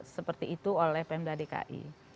seperti itu oleh pemda dki